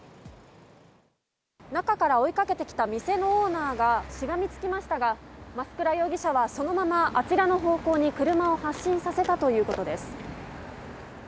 中から追いかけてきた店のオーナーがしがみつきましたが増倉容疑者はそのままあちらの方向に車を発進させたということです。